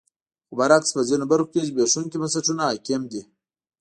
خو برعکس په ځینو برخو کې زبېښونکي بنسټونه حاکم دي.